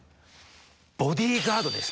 ボディガードですね。